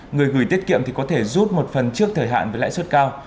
người gửi tiết kiệm thì có thể rút một phần trước thời hạn với lãi suất cao